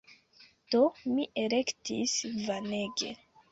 Do, mi elektis Vanege!